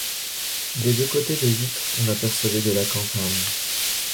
Des deux côtés des vitres on apercevait de la campagne.